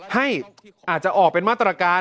ให้อาจจะออกเป็นมาตรการ